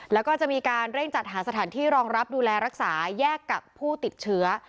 แล้วก็จะมีการเร่งจัดหาสถานที่รองรับดูแลรักษาแยกกับผู้ติดเชื้อ